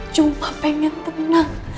cuma pengen tenang